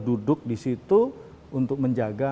duduk di situ untuk menjaga